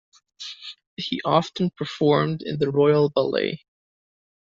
He often performed in the royal ballet.